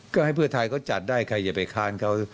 ก็ให้เพื่อไทยเขาจัดได้ใครอย่าไปค้านเขา